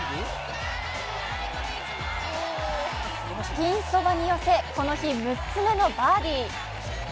ピンそばに寄せ、この日６つ目のバーディー。